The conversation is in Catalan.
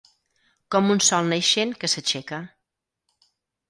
Com un sol naixent que s'aixeca